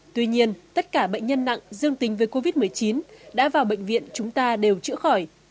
tuy nhiên tất cả bệnh nhân nặng dương tính với covid một mươi chín đã vào bệnh viện chúng ta đều chữa khỏi